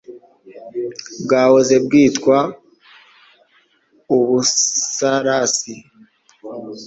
bwahoze bwitwa u Busarasi